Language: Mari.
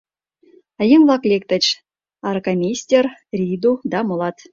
А еҥ-влак лектыч: аракамейстер, Рийду да молат.